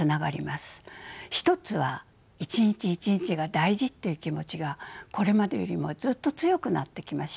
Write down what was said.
一つは１日１日が大事という気持ちがこれまでよりもずっと強くなってきました。